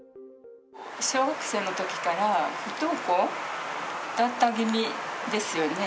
小学生のときから不登校だった気味ですよね。